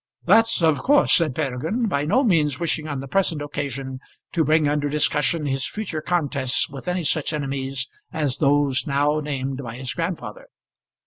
"That's of course," said Peregrine, by no means wishing on the present occasion to bring under discussion his future contests with any such enemies as those now named by his grandfather.